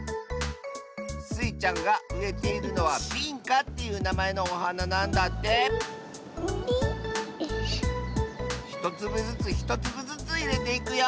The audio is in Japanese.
スイちゃんがうえているのは「ビンカ」っていうなまえのおはななんだってひとつぶずつひとつぶずついれていくよ。